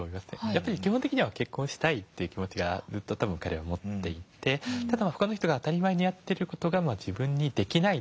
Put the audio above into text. やっぱり基本的には結婚したいという気持ちをずっと彼は持っていて他の人が当たり前にやってる事が自分にできない。